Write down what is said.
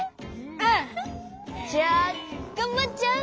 うん！じゃあがんばっちゃう？